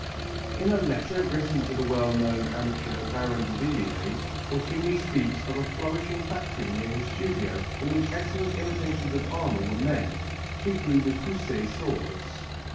In a letter written to the well known amateur Baron Davillier, Fortuny speaks of a flourishing factory near his studio in which excellent imitations of armour were made, chiefly repoussé shields.